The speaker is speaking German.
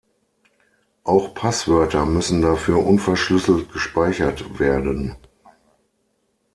Auch Passwörter müssen dafür unverschlüsselt gespeichert werden.